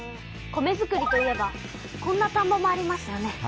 米づくりといえばこんなたんぼもありますよね。